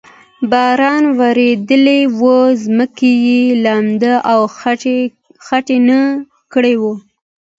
باران ورېدلی و، ځمکه یې لنده او خټینه کړې وه.